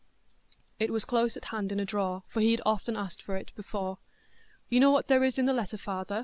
It was close at hand in a drawer, for he had often asked for it before. "You know what there is in the letter, father?"